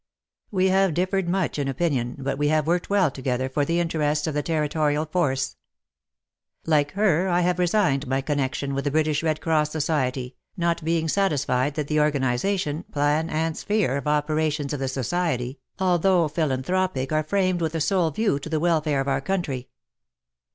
We have differed much in opinion, but we have worked well together for the interests of the Territorial Force. Like her, I have resigned my connection with the British Red Cross Society, not being satisfied that the organization, plan and sphere of operations of the society, although philanthropic, are framed with a sole view to the welfare of our country.